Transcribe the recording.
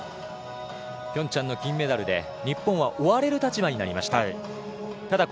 平昌の金メダルで日本は追われる立場になりました。